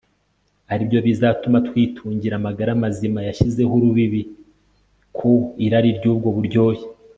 ari byo bizatuma twitungira amagara mazima, yashyizeho urubibi ku irari ry'ubwo buryohe